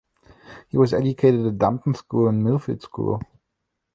He was educated at Dumpton School and Millfield School.